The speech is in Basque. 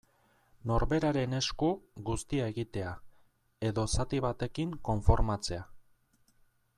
Norberaren esku guztia egitea, edo zati batekin konformatzea.